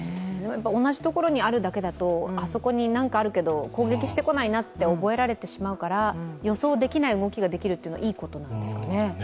同じ所にあるだけだと、あそこになんかあるけど攻撃してこないなと覚えられてしまうから予想できない動きができるというのはいいことですよね。